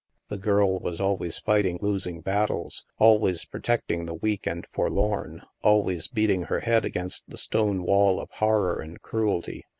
The girl was always fighting losing battles, always protecting the weak and forlorn, always beating her head against the stone wall of horror and cruelty.